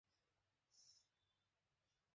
Police jeep নিয়ে যান।